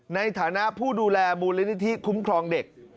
ในฐานะผู้ดูแลมูลนิธิคุ้มครองเด็ก